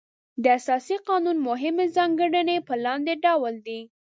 د اساسي قانون مهمې ځانګړنې په لاندې ډول دي.